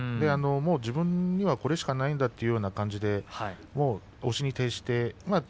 自分には、これしかないんだというような感じで押しに徹して。